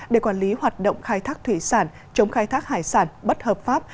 để quản lý hoạt động khai thác thủy sản chống khai thác hải sản bất hợp pháp